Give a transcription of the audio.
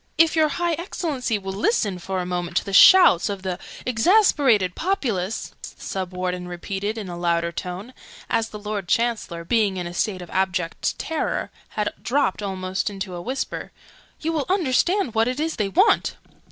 "If your High Excellency will listen for a moment to the shouts of the exasperated populace " ("of the exasperated populace!" the Sub Warden repeated in a louder tone, as the Lord Chancellor, being in a state of abject terror, had dropped almost into a whisper) " you will understand what it is they want."